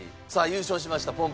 さあ優勝しました